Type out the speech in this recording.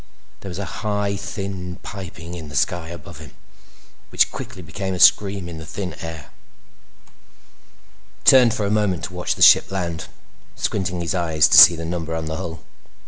There was a high, thin piping in the sky above him which quickly became a scream in the thin air. He turned for a moment to watch the ship land, squinting his eyes to see the number on the hull.